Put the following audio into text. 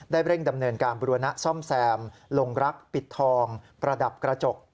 เร่งดำเนินการบุรณะซ่อมแซมลงรักปิดทองประดับกระจก